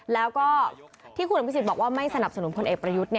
แล้วก็ที่คุณอภิษฎบอกว่าไม่สนับสนุนพลเอกประยุทธ์